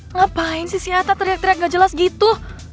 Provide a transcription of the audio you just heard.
ngapain sih si ata teriak teriak gak jelas gitu